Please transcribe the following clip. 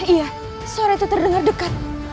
iya suara itu terdengar dekat